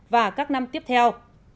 và các năm tiếp theo